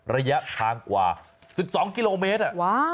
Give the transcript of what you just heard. ระยะทางกว่า๑๒กิโลเมตร